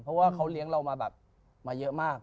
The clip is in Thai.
เพราะว่าเขาเลี้ยงเรามาแบบมาเยอะมาก